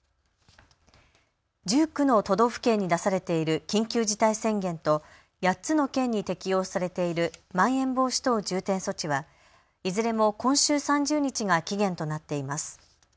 １９の都道府県に出されている緊急事態宣言と８つの県に適用されているまん延防止等重点措置はいずれも今週３０日が期限となっています。